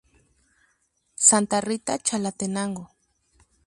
Santa Rita, Chalatenango